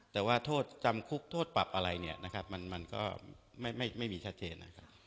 แต่ว่าโทษจำคุกโทษปรับอะไรมันก็ไม่มีชัดเจน